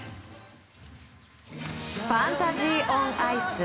ファンタジー・オン・アイス。